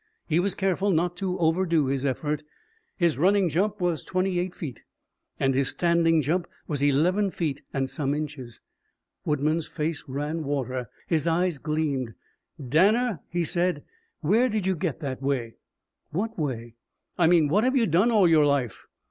He was careful not to overdo his effort. His running jump was twenty eight feet, and his standing jump was eleven feet and some inches. Woodman's face ran water. His eyes gleamed. "Danner," he said, "where did you get that way?" "What way?" "I mean what have you done all your life?"